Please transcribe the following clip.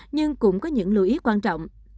nhưng cũng có những lưu ý quan trọng